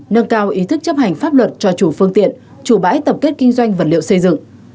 nâng cao ý thức chấp hành pháp luật cho chủ phương tiện chủ bãi tập kết kinh doanh vật liệu xây dựng